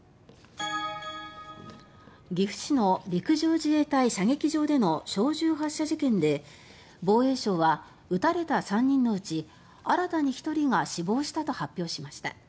岐阜市の陸上自衛隊射撃場での小銃発射事件で防衛省は負傷した３人のうち新たに１人が死亡したと発表しました。